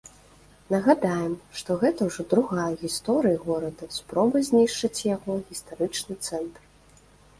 Нагадаем, што гэта ўжо другая ў гісторыі горада спроба знішчыць яго гістарычны цэнтр.